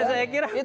ya kan itu